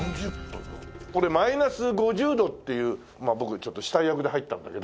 俺マイナス５０度っていう僕ちょっと死体役で入ったんだけど。